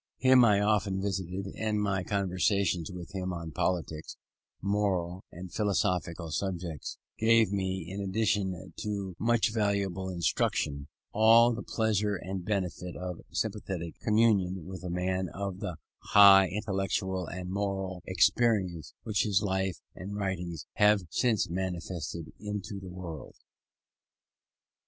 Him I often visited, and my conversations with him on political, moral, and philosophical subjects gave me, in addition to much valuable instruction, all the pleasure and benefit of sympathetic communion with a man of the high intellectual and moral eminence which his life and writings have since manifested to the world.